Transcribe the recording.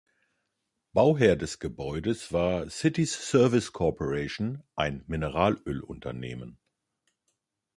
Bauherr des Gebäudes war Cities Service Corporation, ein Mineralölunternehmen.